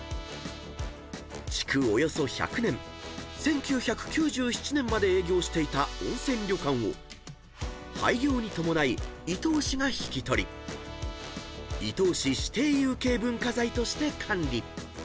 ［１９９７年まで営業していた温泉旅館を廃業に伴い伊東市が引き取り伊東市指定有形文化財として管理］